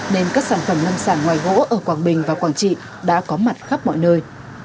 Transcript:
nên các sản phẩm nông sản ngoài gỗ ở quảng bình và quảng trị đã có mặt khắp mọi nơi